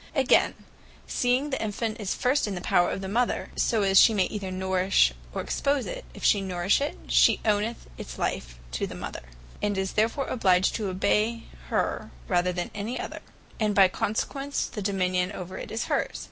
Again, seeing the Infant is first in the power of the Mother; so as she may either nourish, or expose it, if she nourish it, it oweth its life to the Mother; and is therefore obliged to obey her, rather than any other; and by consequence the Dominion over it is hers.